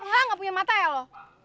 hah gak punya mata ya lo